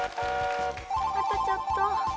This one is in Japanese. あとちょっと。